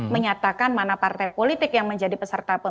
menyatakan mana partai politik yang menjadi peserta pemilu